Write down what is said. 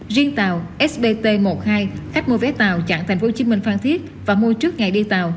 riêng tàu sbt một mươi hai khách mua vé tàu chặn tp hcm phan thiết và mua trước ngày đi tàu